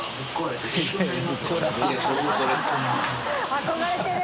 憧れてる！